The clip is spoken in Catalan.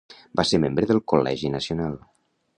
Va ser membre del Col·legi Nacional.